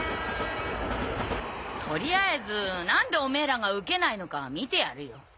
とりあえずなんでオメエらがウケないのか見てやるよ。